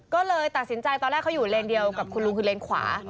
ก็เลยตัดสินใจตอนแรกเขาอยู่เลนเดียวกับคุณลุงคือเลนขวา